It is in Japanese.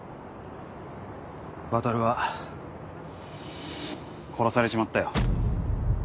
渉は殺されちまったよ。